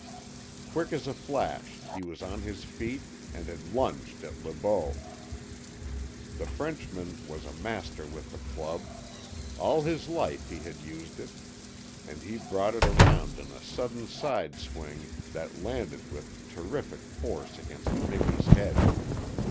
Quick as a flash he was on his feet and had lunged at Le Beau. The Frenchman was a master with the club. All his life he had used it, and he brought it around in a sudden side swing that landed with terrific force against Miki's head.